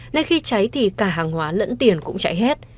nên khi cháy thì cả hàng hóa lẫn tiền cũng cháy hết